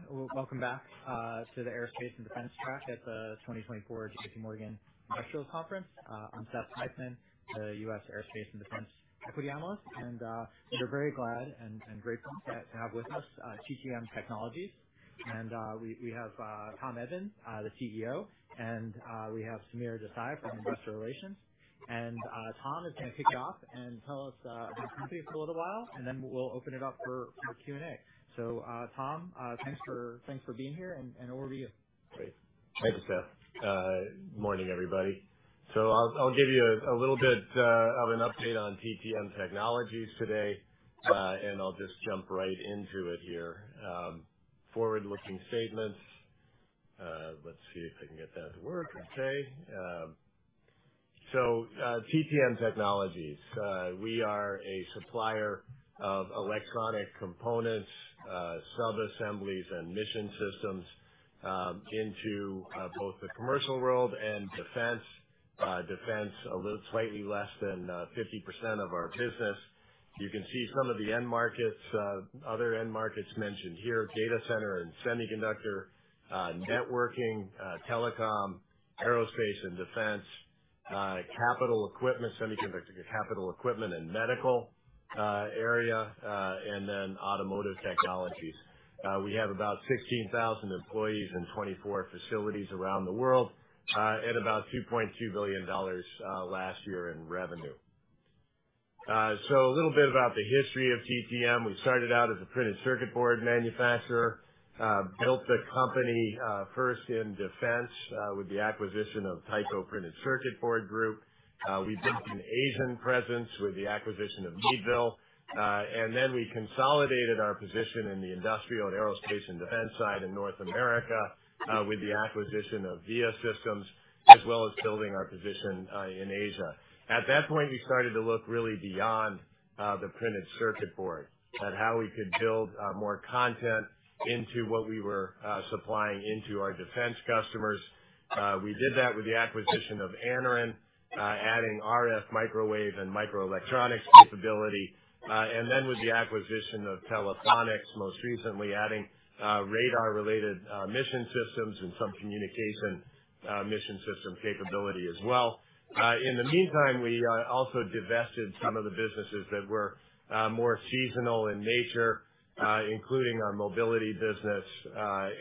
Good morning, everyone. Welcome back to the Aerospace and Defense Track at the 2024 JPMorgan Industrials Conference. I'm Seth Seifman, the U.S. Aerospace and Defense Equity Analyst, and we're very glad and grateful to have with us TTM Technologies. And we have Tom Edman, the CEO, and we have Sameer Desai from Investor Relations. And Tom is going to kick it off and tell us about the company for a little while, and then we'll open it up for Q&A. So Tom, thanks for being here, and over to you. Great. Thank you, Seth. Morning, everybody. So I'll give you a little bit of an update on TTM Technologies today, and I'll just jump right into it here. Forward-looking statements. Let's see if I can get that to work. Okay. So TTM Technologies, we are a supplier of electronic components, subassemblies, and mission systems into both the commercial world and defense. Defense, slightly less than 50% of our business. You can see some of the end markets, other end markets mentioned here: data center and semiconductor, networking, telecom, aerospace and defense, capital equipment, semiconductor capital equipment and medical area, and then automotive technologies. We have about 16,000 employees in 24 facilities around the world and about $2.2 billion last year in revenue. So a little bit about the history of TTM. We started out as a printed circuit board manufacturer, built the company first in defense with the acquisition of Tyco Printed Circuit Group. We built an Asian presence with the acquisition of Meadville, and then we consolidated our position in the industrial and aerospace and defense side in North America with the acquisition of Viasystems, as well as building our position in Asia. At that point, we started to look really beyond the printed circuit board, at how we could build more content into what we were supplying into our defense customers. We did that with the acquisition of Anaren, adding RF microwave and microelectronics capability, and then with the acquisition of Telephonics, most recently adding radar-related mission systems and some communication mission system capability as well. In the meantime, we also divested some of the businesses that were more seasonal in nature, including our mobility business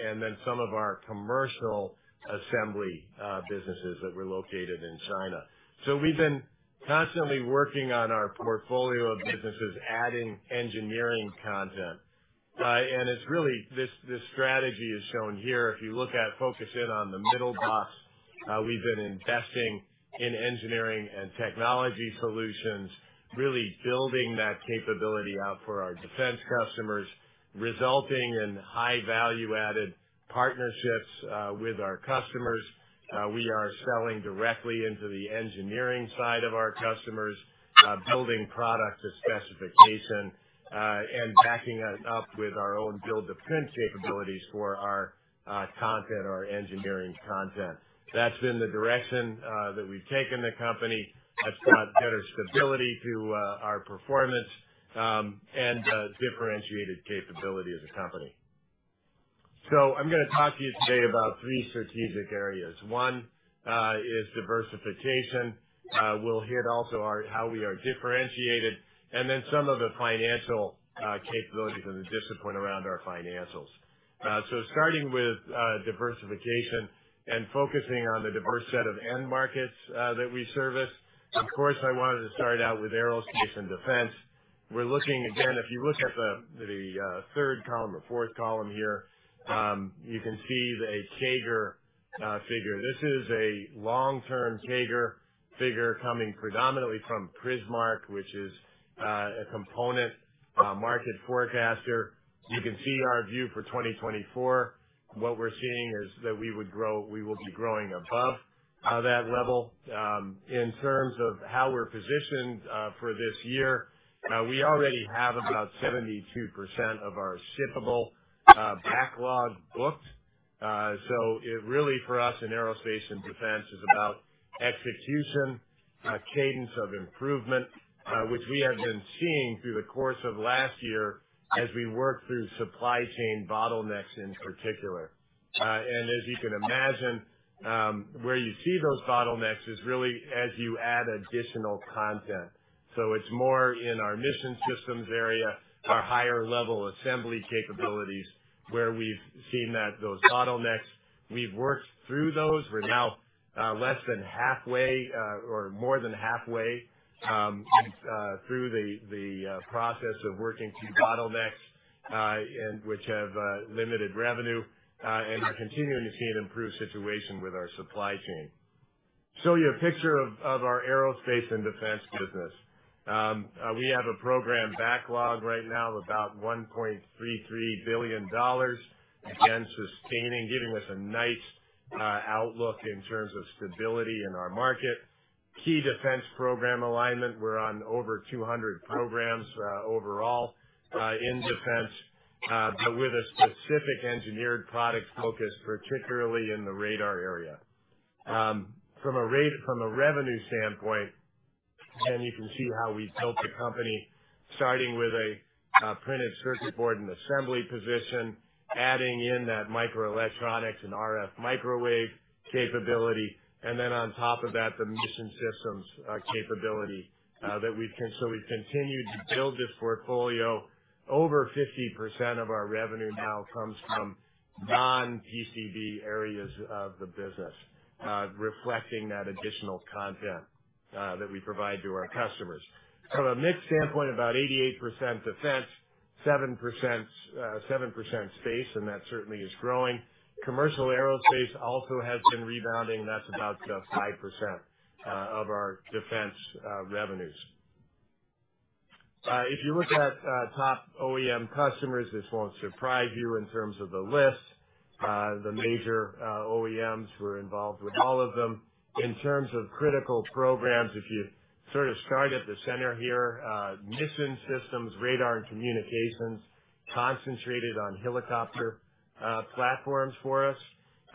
and then some of our commercial assembly businesses that were located in China. So we've been constantly working on our portfolio of businesses, adding engineering content. And it's really this strategy is shown here. If you look at focus in on the middle box, we've been investing in engineering and technology solutions, really building that capability out for our defense customers, resulting in high value-added partnerships with our customers. We are selling directly into the engineering side of our customers, building product to specification, and backing it up with our own build-to-print capabilities for our content, our engineering content. That's been the direction that we've taken the company. That's brought better stability to our performance and differentiated capability as a company. So I'm going to talk to you today about three strategic areas. One is diversification. We'll hit also how we are differentiated and then some of the financial capabilities and the discipline around our financials. So starting with diversification and focusing on the diverse set of end markets that we service, of course, I wanted to start out with aerospace and defense. We're looking, again, if you look at the third column or fourth column here, you can see a CAGR figure. This is a long-term CAGR figure coming predominantly from Prismark, which is a component market forecaster. You can see our view for 2024. What we're seeing is that we will be growing above that level. In terms of how we're positioned for this year, we already have about 72% of our shippable backlog booked. So it really, for us in aerospace and defense, is about execution, cadence of improvement, which we have been seeing through the course of last year as we work through supply chain bottlenecks in particular. And as you can imagine, where you see those bottlenecks is really as you add additional content. So it's more in our mission systems area, our higher-level assembly capabilities, where we've seen those bottlenecks. We've worked through those. We're now less than halfway or more than halfway through the process of working through bottlenecks which have limited revenue and are continuing to see an improved situation with our supply chain. Show you a picture of our aerospace and defense business. We have a program backlog right now of about $1.33 billion, again, giving us a nice outlook in terms of stability in our market. Key defense program alignment, we're on over 200 programs overall in defense, but with a specific engineered product focus, particularly in the radar area. From a revenue standpoint, again, you can see how we built the company, starting with a printed circuit board and assembly position, adding in that microelectronics and RF microwave capability, and then on top of that, the mission systems capability. So we've continued to build this portfolio. Over 50% of our revenue now comes from non-PCB areas of the business, reflecting that additional content that we provide to our customers. From a mixed standpoint, about 88% defense, 7% space, and that certainly is growing. Commercial aerospace also has been rebounding. That's about 5% of our defense revenues. If you look at top OEM customers, this won't surprise you in terms of the list. The major OEMs were involved with all of them. In terms of critical programs, if you sort of start at the center here, mission systems, radar, and communications concentrated on helicopter platforms for us.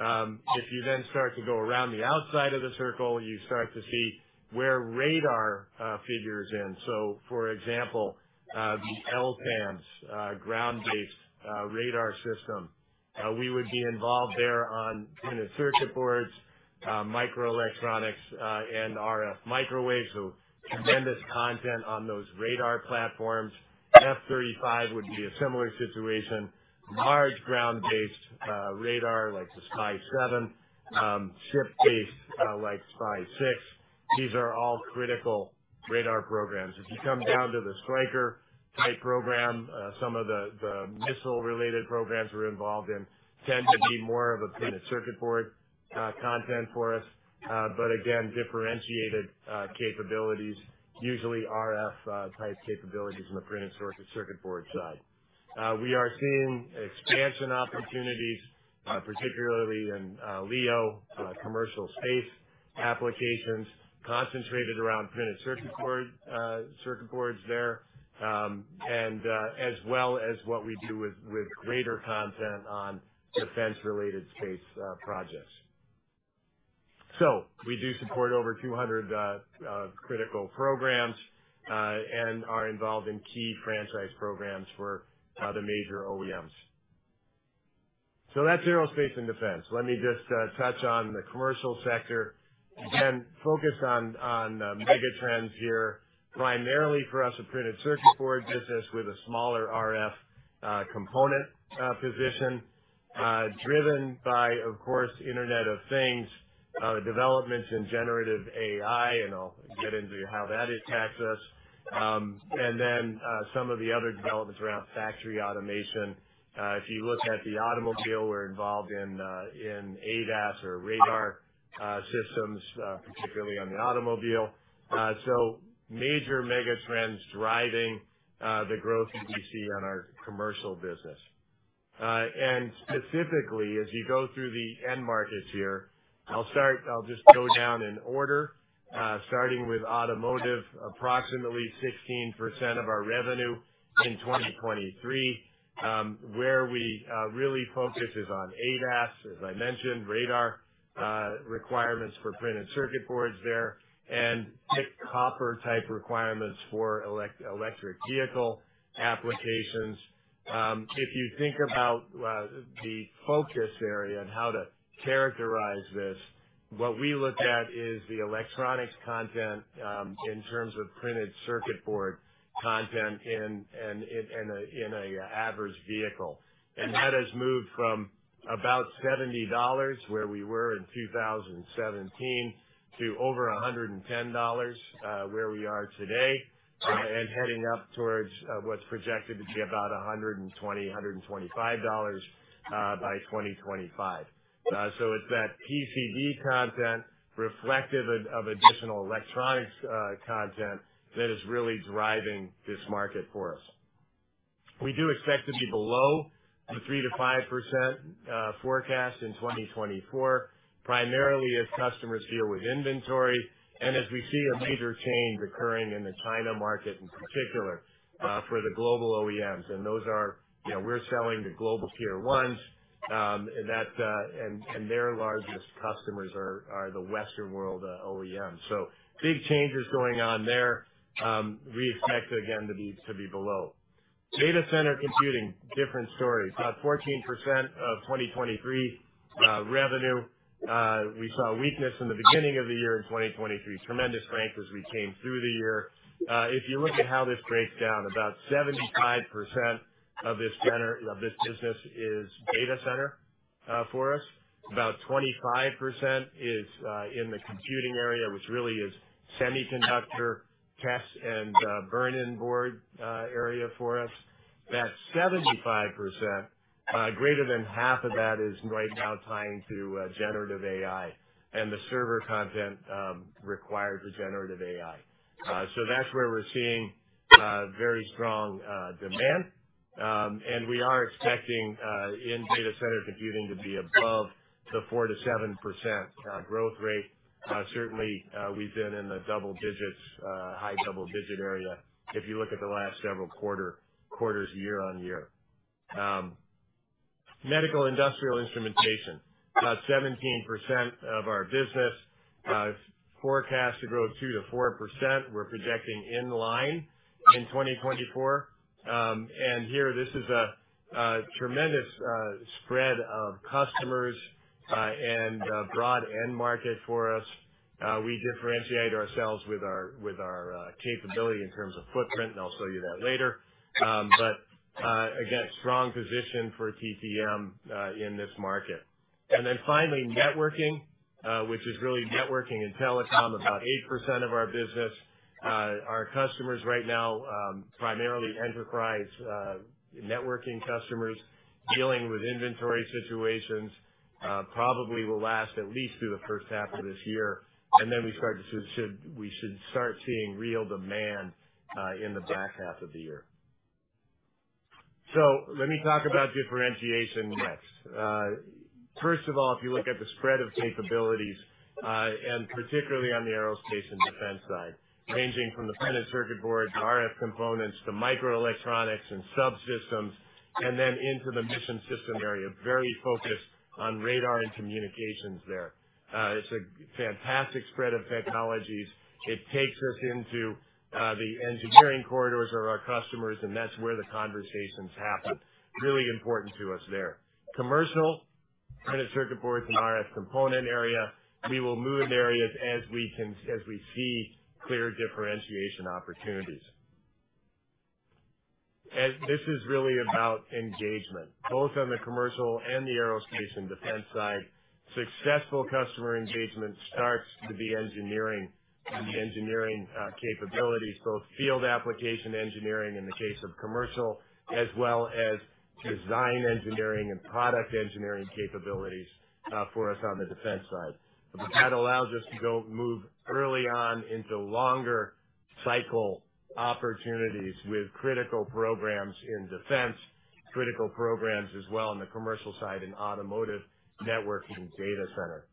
If you then start to go around the outside of the circle, you start to see where radar figures in. So, for example, the LTAMDS ground-based radar system. We would be involved there on printed circuit boards, microelectronics, and RF microwave, so tremendous content on those radar platforms. F-35 would be a similar situation. Large ground-based radar like the SPY-7, ship-based like SPY-6. These are all critical radar programs. If you come down to the Stryker-type program, some of the missile-related programs we're involved in tend to be more of a printed circuit board content for us, but again, differentiated capabilities, usually RF-type capabilities in the printed circuit board side. We are seeing expansion opportunities, particularly in LEO, commercial space applications, concentrated around printed circuit boards there, as well as what we do with greater content on defense-related space projects. So we do support over 200 critical programs and are involved in key franchise programs for the major OEMs. So that's aerospace and defense. Let me just touch on the commercial sector. Again, focus on mega trends here, primarily for us a printed circuit board business with a smaller RF component position, driven by, of course, Internet of Things, developments in generative AI, and I'll get into how that impacts us, and then some of the other developments around factory automation. If you look at the automobile, we're involved in ADAS or radar systems, particularly on the automobile. So major mega trends driving the growth that we see on our commercial business. Specifically, as you go through the end markets here, I'll just go down in order, starting with automotive, approximately 16% of our revenue in 2023. Where we really focus is on ADAS, as I mentioned, radar requirements for printed circuit boards there, and thick copper-type requirements for electric vehicle applications. If you think about the focus area and how to characterize this, what we look at is the electronics content in terms of printed circuit board content in an average vehicle. And that has moved from about $70, where we were in 2017, to over $110, where we are today, and heading up towards what's projected to be about $120-$125 by 2025. So it's that PCB content reflective of additional electronics content that is really driving this market for us. We do expect to be below the 3%-5% forecast in 2024, primarily as customers deal with inventory and as we see a major change occurring in the China market in particular for the global OEMs. And those are we're selling the global Tier 1s, and their largest customers are the Western world OEMs. So big changes going on there. We expect, again, to be below. Data center computing, different story. About 14% of 2023 revenue. We saw weakness in the beginning of the year in 2023, tremendous strength as we came through the year. If you look at how this breaks down, about 75% of this business is data center for us. About 25% is in the computing area, which really is semiconductor tests and burn-in board area for us. That 75%, greater than half of that is right now tying to generative AI and the server content required for generative AI. So that's where we're seeing very strong demand. And we are expecting in data center computing to be above the 4%-7% growth rate. Certainly, we've been in the high double-digit area if you look at the last several quarters, year-over-year. Medical industrial instrumentation, about 17% of our business. Forecast to grow 2%-4%. We're projecting in line in 2024. And here, this is a tremendous spread of customers and broad end market for us. We differentiate ourselves with our capability in terms of footprint, and I'll show you that later. But again, strong position for TTM in this market. And then finally, networking, which is really networking and telecom, about 8% of our business. Our customers right now, primarily enterprise networking customers, dealing with inventory situations, probably will last at least through the first half of this year. And then we should start seeing real demand in the back half of the year. So let me talk about differentiation next. First of all, if you look at the spread of capabilities, and particularly on the aerospace and defense side, ranging from the printed circuit boards to RF components to microelectronics and subsystems, and then into the mission system area, very focused on radar and communications there. It's a fantastic spread of technologies. It takes us into the engineering corridors of our customers, and that's where the conversations happen. Really important to us there. Commercial, printed circuit boards and RF component area, we will move in areas as we see clear differentiation opportunities. This is really about engagement, both on the commercial and the aerospace and defense side. Successful customer engagement starts to be engineering capabilities, both field application engineering in the case of commercial, as well as design engineering and product engineering capabilities for us on the defense side. But that allows us to go move early on into longer cycle opportunities with critical programs in defense, critical programs as well on the commercial side in automotive, networking, data center.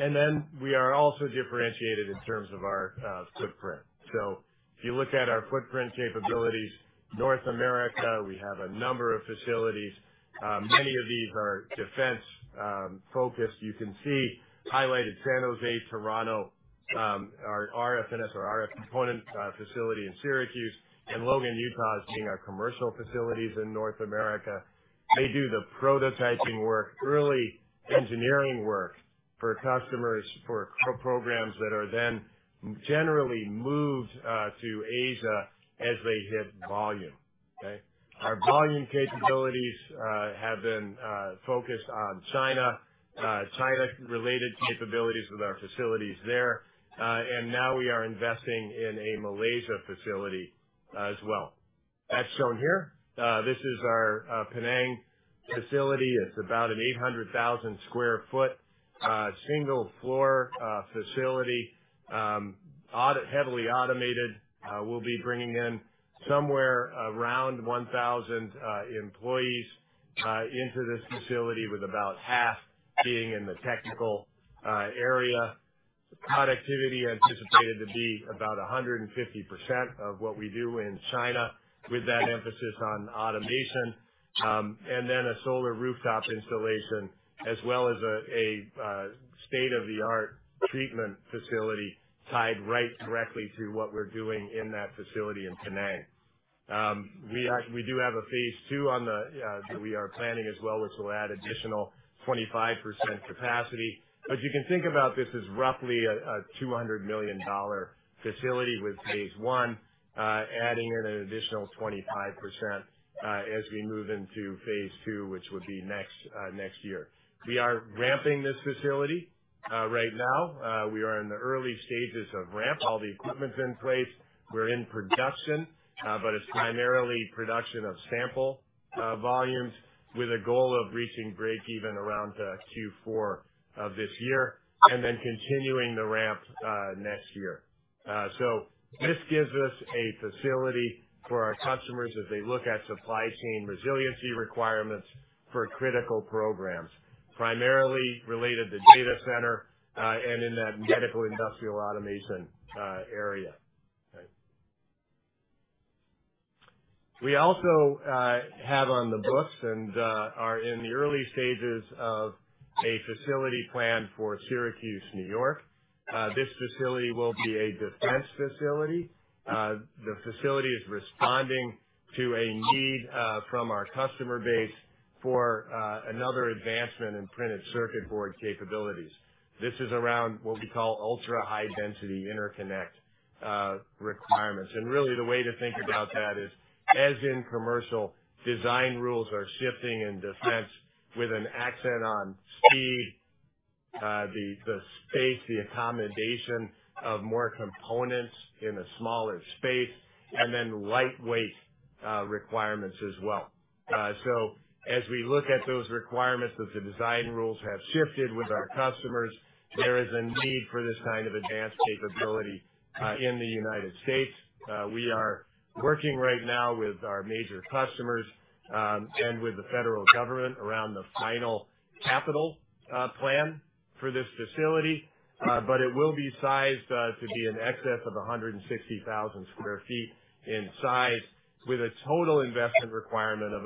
And then we are also differentiated in terms of our footprint. So if you look at our footprint capabilities, North America, we have a number of facilities. Many of these are defense-focused. You can see highlighted San Jose, Toronto, our RF components facility in Syracuse, and Logan, Utah, as being our commercial facilities in North America. They do the prototyping work, early engineering work for customers, for programs that are then generally moved to Asia as they hit volume. Our volume capabilities have been focused on China, China-related capabilities with our facilities there. And now we are investing in a Malaysia facility as well. That's shown here. This is our Penang facility. It's about an 800,000 sq ft, single-floor facility, heavily automated. We'll be bringing in somewhere around 1,000 employees into this facility, with about half being in the technical area. Productivity anticipated to be about 150% of what we do in China, with that emphasis on automation, and then a solar rooftop installation, as well as a state-of-the-art treatment facility tied right directly to what we're doing in that facility in Penang. We do have a phase two that we are planning as well, which will add additional 25% capacity. But you can think about this as roughly a $200 million facility with phase one, adding in an additional 25% as we move into phase two, which would be next year. We are ramping this facility right now. We are in the early stages of ramp, all the equipment's in place. We're in production, but it's primarily production of sample volumes with a goal of reaching break-even around Q4 of this year, and then continuing the ramp next year. So this gives us a facility for our customers as they look at supply chain resiliency requirements for critical programs, primarily related to data center and in that medical industrial automation area. We also have on the books and are in the early stages of a facility plan for Syracuse, New York. This facility will be a defense facility. The facility is responding to a need from our customer base for another advancement in printed circuit board capabilities. This is around what we call ultra-high-density interconnect requirements. And really, the way to think about that is, as in commercial, design rules are shifting in defense with an accent on speed, the space, the accommodation of more components in a smaller space, and then lightweight requirements as well. So as we look at those requirements, as the design rules have shifted with our customers, there is a need for this kind of advanced capability in the United States. We are working right now with our major customers and with the federal government around the final capital plan for this facility. But it will be sized to be in excess of 160,000 sq ft in size, with a total investment requirement of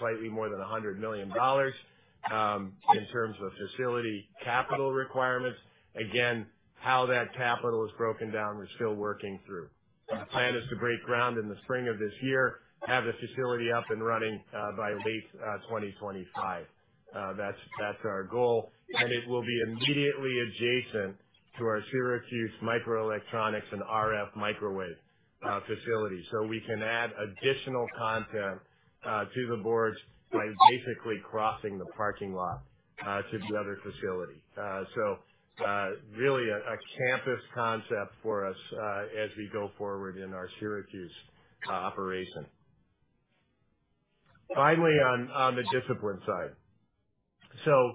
slightly more than $100 million in terms of facility capital requirements. Again, how that capital is broken down, we're still working through. The plan is to break ground in the spring of this year, have the facility up and running by late 2025. That's our goal. And it will be immediately adjacent to our Syracuse microelectronics and RF microwave facility. So we can add additional content to the boards by basically crossing the parking lot to the other facility. So really, a campus concept for us as we go forward in our Syracuse operation. Finally, on the discipline side, so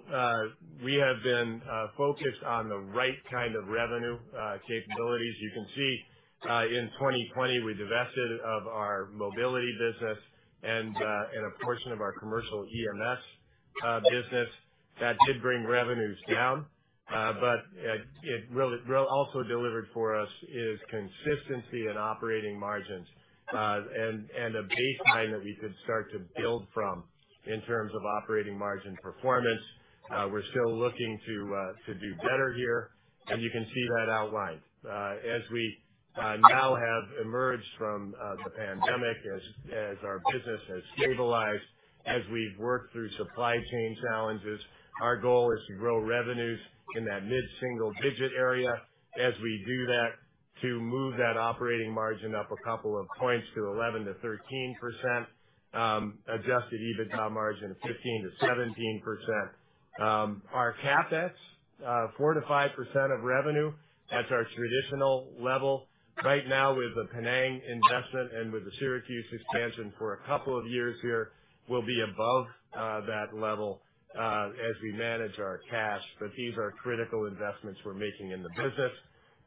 we have been focused on the right kind of revenue capabilities. You can see in 2020, we divested of our mobility business and a portion of our commercial EMS business. That did bring revenues down. But it also delivered for us is consistency in operating margins and a baseline that we could start to build from in terms of operating margin performance. We're still looking to do better here. And you can see that outlined. As we now have emerged from the pandemic, as our business has stabilized, as we've worked through supply chain challenges, our goal is to grow revenues in that mid-single-digit area. As we do that, to move that operating margin up a couple of points to 11%-13%, adjusted EBITDA margin of 15%-17%. Our CapEx, 4%-5% of revenue, that's our traditional level. Right now, with the Penang investment and with the Syracuse expansion for a couple of years here, we'll be above that level as we manage our cash. But these are critical investments we're making in the business.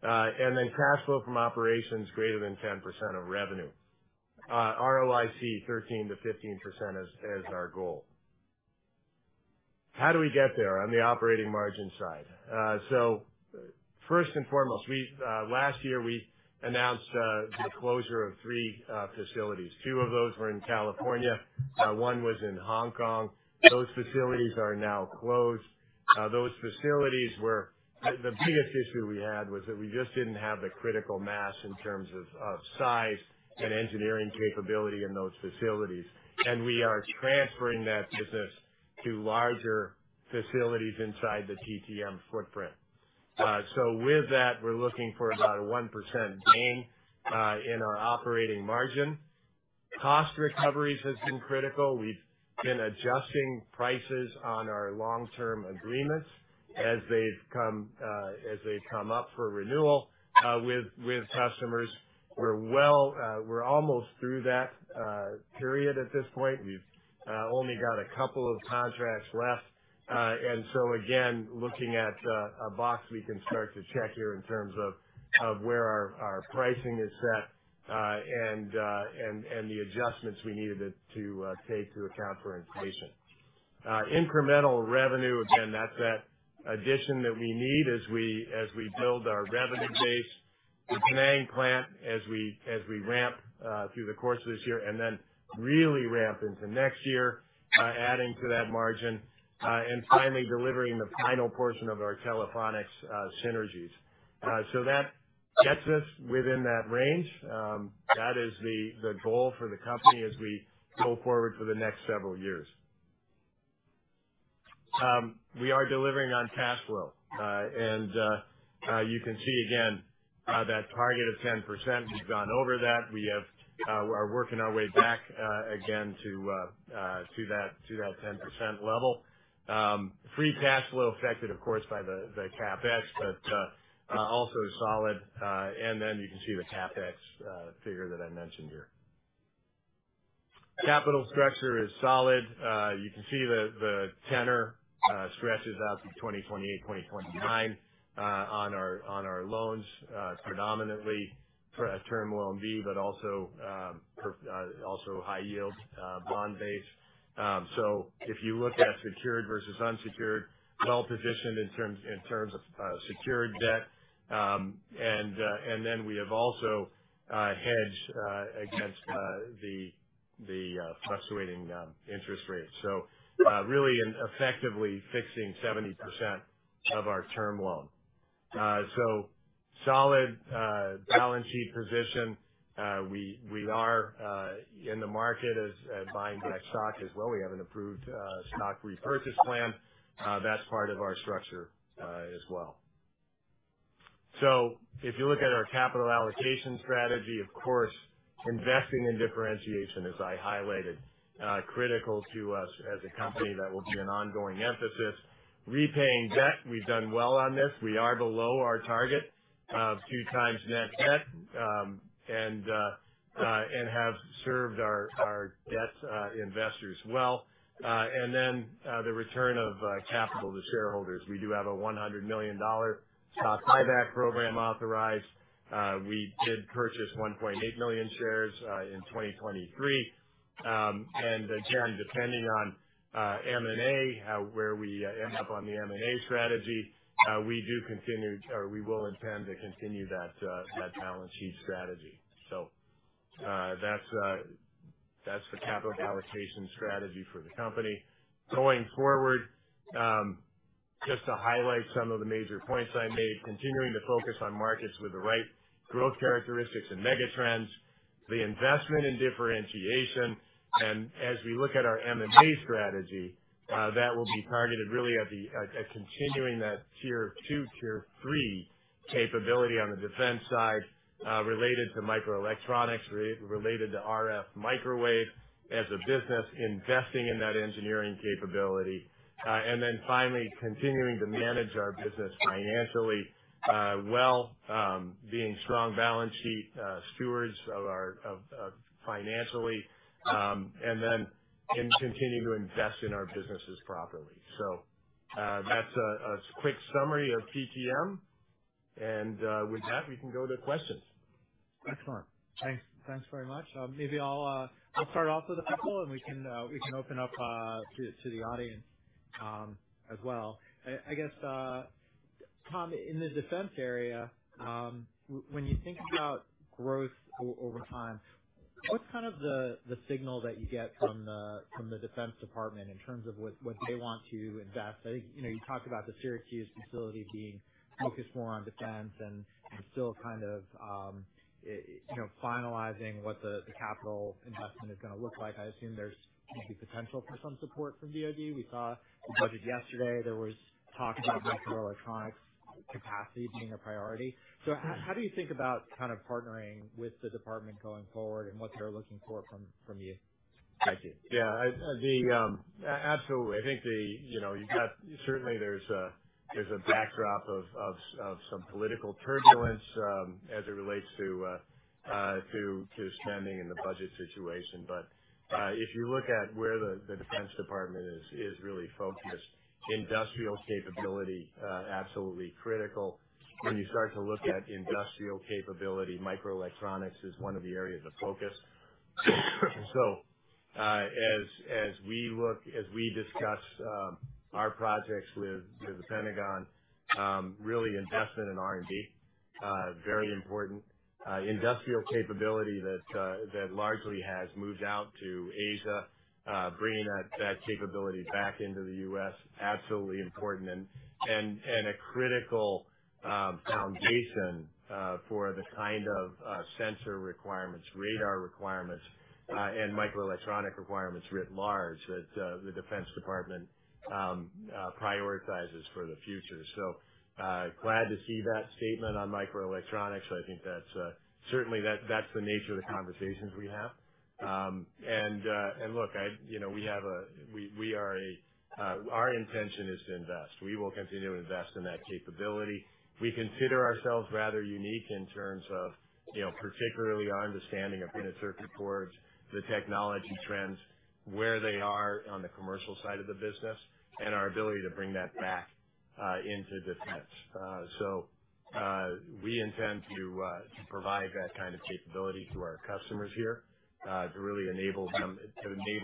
And then cash flow from operations, greater than 10% of revenue. ROIC, 13%-15% is our goal. How do we get there on the operating margin side? So first and foremost, last year, we announced the closure of three facilities. Two of those were in California. One was in Hong Kong. Those facilities are now closed. The biggest issue we had was that we just didn't have the critical mass in terms of size and engineering capability in those facilities. And we are transferring that business to larger facilities inside the TTM footprint. So with that, we're looking for about a 1% gain in our operating margin. Cost recoveries have been critical. We've been adjusting prices on our long-term agreements as they've come up for renewal with customers. We're almost through that period at this point. We've only got a couple of contracts left. And so again, looking at a box we can start to check here in terms of where our pricing is set and the adjustments we needed to take to account for inflation. Incremental revenue, again, that's that addition that we need as we build our revenue base in Penang plant as we ramp through the course of this year and then really ramp into next year, adding to that margin, and finally delivering the final portion of our Telephonics synergies. So that gets us within that range. That is the goal for the company as we go forward for the next several years. We are delivering on cash flow. You can see again that target of 10%. We've gone over that. We are working our way back again to that 10% level. Free cash flow affected, of course, by the CapEx, but also solid. Then you can see the CapEx figure that I mentioned here. Capital structure is solid. You can see the tenor stretches out to 2028, 2029 on our loans, predominantly Term Loan B, but also high-yield bond base. So if you look at secured versus unsecured, well-positioned in terms of secured debt. Then we have also hedged against the fluctuating interest rates, so really effectively fixing 70% of our term loan. So solid balance sheet position. We are in the market buying back stock as well. We have an approved stock repurchase plan. That's part of our structure as well. So if you look at our capital allocation strategy, of course, investing in differentiation, as I highlighted, is critical to us as a company. That will be an ongoing emphasis. Repaying debt, we've done well on this. We are below our target of 2 times net debt and have served our debt investors well. And then the return of capital to shareholders. We do have a $100 million stock buyback program authorized. We did purchase 1.8 million shares in 2023. And again, depending on M&A, where we end up on the M&A strategy, we do continue or we will intend to continue that balance sheet strategy. So that's the capital allocation strategy for the company. Going forward, just to highlight some of the major points I made, continuing to focus on markets with the right growth characteristics and megatrends, the investment in differentiation. As we look at our M&A strategy, that will be targeted really at continuing that Tier 2, Tier 3 capability on the defense side related to microelectronics, related to RF microwave as a business, investing in that engineering capability. Then finally, continuing to manage our business financially well, being strong balance sheet stewards financially, and then continue to invest in our businesses properly. So that's a quick summary of TTM. With that, we can go to questions. Excellent. Thanks very much. Maybe I'll start off with a couple, and we can open up to the audience as well. I guess, Tom, in the defense area, when you think about growth over time, what's kind of the signal that you get from the Defense Department in terms of what they want to invest? I think you talked about the Syracuse facility being focused more on defense and still kind of finalizing what the capital investment is going to look like. I assume there's going to be potential for some support from DOD. We saw the budget yesterday. There was talk about microelectronics capacity being a priority. So how do you think about kind of partnering with the department going forward and what they're looking for from you? Thank you. Yeah. Absolutely. I think you've got certainly, there's a backdrop of some political turbulence as it relates to spending and the budget situation. But if you look at where the Defense Department is really focused, industrial capability, absolutely critical. When you start to look at industrial capability, microelectronics is one of the areas of focus. So as we look, as we discuss our projects with the Pentagon, really, investment in R&D, very important. Industrial capability that largely has moved out to Asia, bringing that capability back into the U.S., absolutely important and a critical foundation for the kind of sensor requirements, radar requirements, and microelectronic requirements writ large that the Defense Department prioritizes for the future. So glad to see that statement on microelectronics. I think that's certainly, that's the nature of the conversations we have. Look, our intention is to invest. We will continue to invest in that capability. We consider ourselves rather unique in terms of particularly our understanding of printed circuit boards, the technology trends, where they are on the commercial side of the business, and our ability to bring that back into defense. So we intend to provide that kind of capability to our customers here to really enable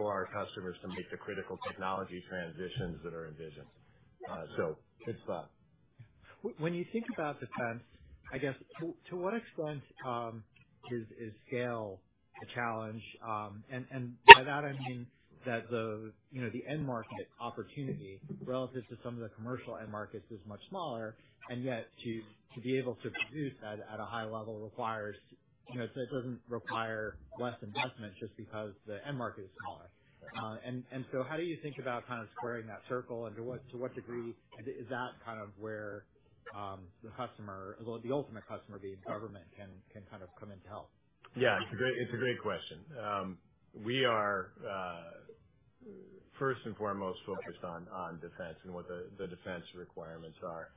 our customers to make the critical technology transitions that are envisioned. Good stuff. When you think about defense, I guess, to what extent is scale a challenge? And by that, I mean that the end market opportunity relative to some of the commercial end markets is much smaller. And yet, to be able to produce that at a high level requires so it doesn't require less investment just because the end market is smaller. And so how do you think about kind of squaring that circle? And to what degree is that kind of where the customer, the ultimate customer being government, can kind of come in to help? Yeah. It's a great question. We are, first and foremost, focused on defense and what the defense requirements are.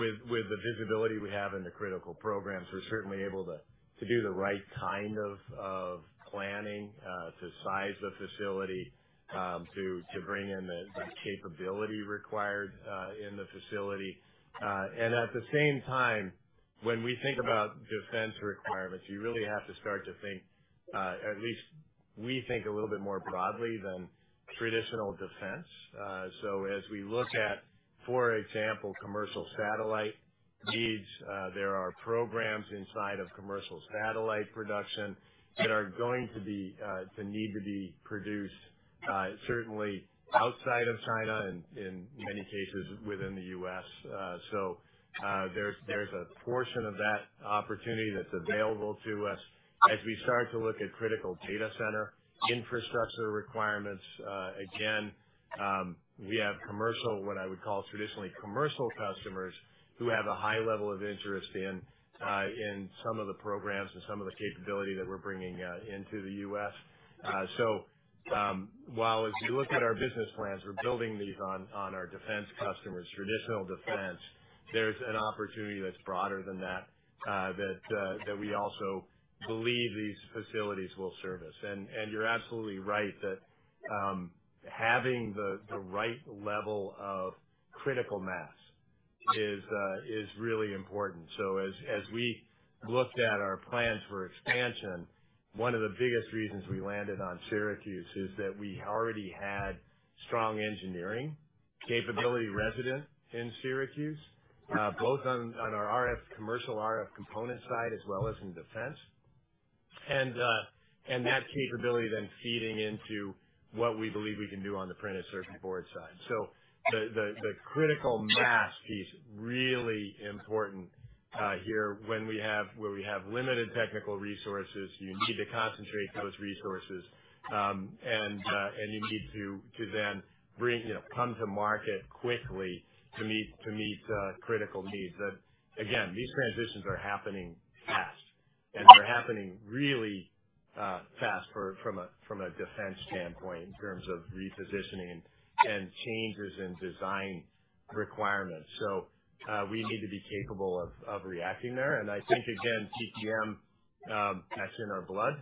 With the visibility we have in the critical programs, we're certainly able to do the right kind of planning to size the facility, to bring in the capability required in the facility. At the same time, when we think about defense requirements, you really have to start to think—at least we think—a little bit more broadly than traditional defense. As we look at, for example, commercial satellite needs, there are programs inside of commercial satellite production that are going to need to be produced certainly outside of China and in many cases within the U.S. There's a portion of that opportunity that's available to us as we start to look at critical data center infrastructure requirements. Again, we have commercial, what I would call traditionally commercial customers who have a high level of interest in some of the programs and some of the capability that we're bringing into the U.S. So while as we look at our business plans, we're building these on our defense customers, traditional defense, there's an opportunity that's broader than that that we also believe these facilities will service. And you're absolutely right that having the right level of critical mass is really important. So as we looked at our plans for expansion, one of the biggest reasons we landed on Syracuse is that we already had strong engineering capability resident in Syracuse, both on our commercial RF component side as well as in defense, and that capability then feeding into what we believe we can do on the printed circuit board side. So the critical mass piece, really important here when we have limited technical resources, you need to concentrate those resources, and you need to then come to market quickly to meet critical needs. Again, these transitions are happening fast, and they're happening really fast from a defense standpoint in terms of repositioning and changes in design requirements. So we need to be capable of reacting there. And I think, again, TTM, that's in our blood.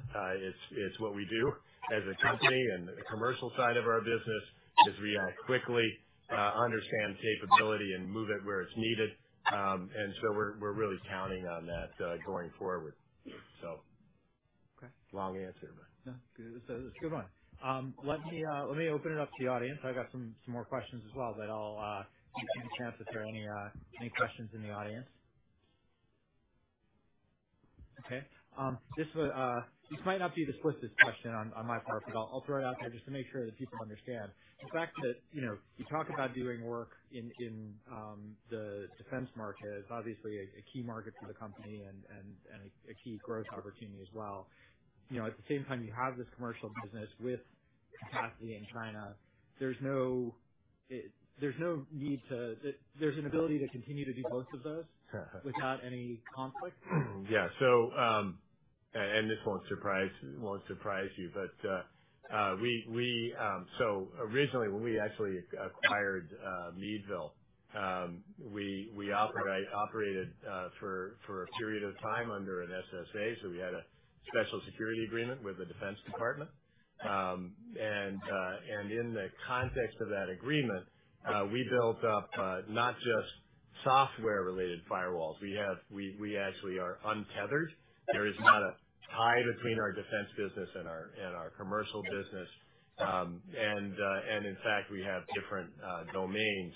It's what we do as a company. And the commercial side of our business is react quickly, understand capability, and move it where it's needed. And so we're really counting on that going forward. So long answer, but. No. Good. It's a good one. Let me open it up to the audience. I've got some more questions as well, but I'll give you a chance if there are any questions in the audience. Okay. This might not be the swiftest question on my part, but I'll throw it out there just to make sure that people understand. The fact that you talk about doing work in the defense market is obviously a key market for the company and a key growth opportunity as well. At the same time, you have this commercial business with capacity in China. There's an ability to continue to do both of those without any conflict. Yeah. This won't surprise you, but we originally, when we actually acquired Meadville, we operated for a period of time under an SSA. We had a Special Security Agreement with the Defense Department. In the context of that agreement, we built up not just software-related firewalls. We actually are untethered. There is not a tie between our defense business and our commercial business. In fact, we have different domains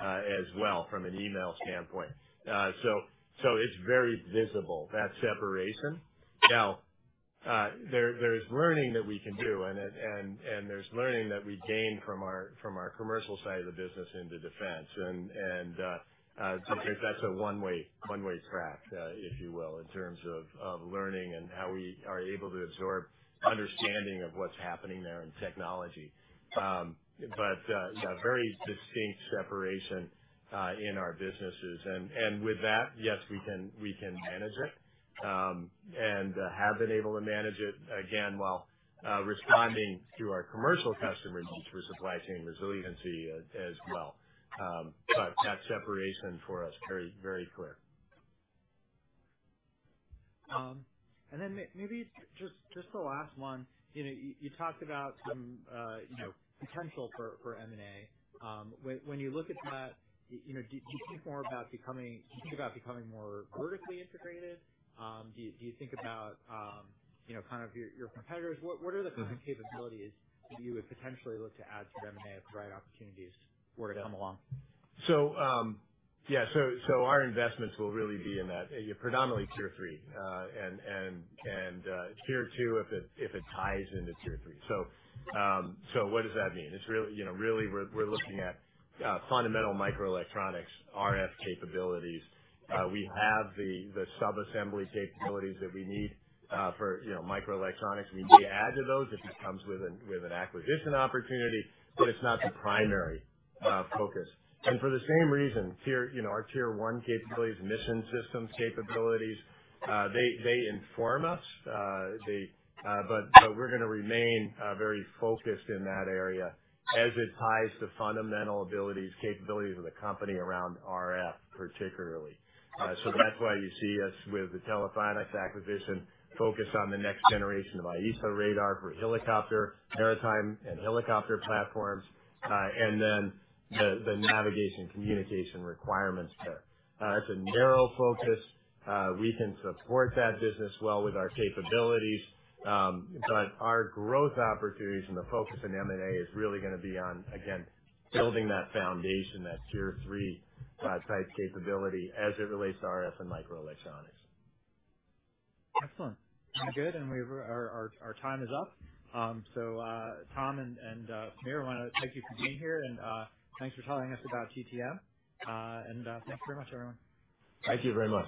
as well from an email standpoint. It's very visible, that separation. Now, there is learning that we can do, and there's learning that we gain from our commercial side of the business into defense. I think that's a one-way track, if you will, in terms of learning and how we are able to absorb understanding of what's happening there in technology. Yeah, very distinct separation in our businesses. And with that, yes, we can manage it and have been able to manage it, again, while responding to our commercial customer needs for supply chain resiliency as well. But that separation for us, very, very clear. And then maybe just the last one. You talked about some potential for M&A. When you look at that, do you think more about becoming do you think about becoming more vertically integrated? Do you think about kind of your competitors? What are the kind of capabilities that you would potentially look to add to M&A if the right opportunities were to come along? So yeah. So our investments will really be in that, predominantly tier three and tier two if it ties into tier three. So what does that mean? It's really we're looking at fundamental microelectronics, RF capabilities. We have the subassembly capabilities that we need for microelectronics. We may add to those if it comes with an acquisition opportunity, but it's not the primary focus. And for the same reason, our tier one capabilities, mission systems capabilities, they inform us. But we're going to remain very focused in that area as it ties to fundamental abilities, capabilities of the company around RF particularly. So that's why you see us with the Telephonics acquisition focused on the next generation of AESA radar for helicopter, maritime and helicopter platforms, and then the navigation communication requirements there. That's a narrow focus. We can support that business well with our capabilities. But our growth opportunities and the focus in M&A is really going to be on, again, building that foundation, that tier three type capability as it relates to RF and microelectronics. Excellent. Good. Our time is up. So Tom and Sameer, I want to thank you for being here, and thanks for telling us about TTM. Thanks very much, everyone. Thank you very much.